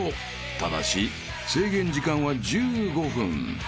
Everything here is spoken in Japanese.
［ただし制限時間は１５分］